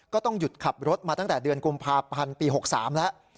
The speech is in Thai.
ก็ต้องหยุดขับรถมาตั้งแต่เดือนกุมภาพันธ์ปี๖๓แล้ว